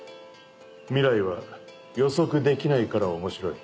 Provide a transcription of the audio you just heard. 未来は予測できないから面白い。